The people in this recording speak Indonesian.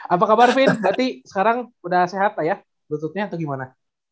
apa kabar vin berarti sekarang udah sehat lah ya lututnya atau gimana